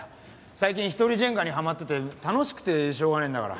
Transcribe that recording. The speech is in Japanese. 最近一人ジェンガにハマってて楽しくてしょうがねえんだから。